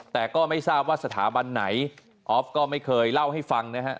แต่ก็ไม่ทราบว่าสถาบันไหนออฟก็ไม่เคยเล่าให้ฟังนะฮะ